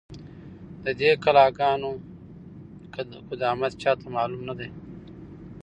، د دې کلا گانو قدامت چا ته هم معلوم نه دی،